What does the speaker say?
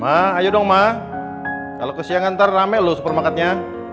ma'a yodong ma'a kalau kesiangan ntar rame lu supermaketnya